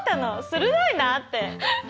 鋭いなって。